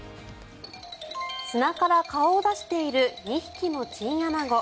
砂から顔を出している２匹のチンアナゴ。